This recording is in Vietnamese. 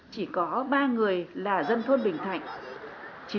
chỉ có ba người là dân thôn bình thạnh